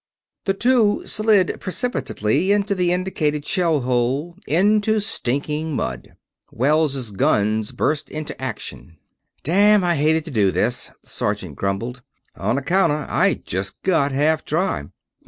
The two slid precipitately into the indicated shell hole, into stinking mud. Wells' guns burst into action. "Damn! I hated to do this," the sergeant grumbled, "On accounta I just got half dry."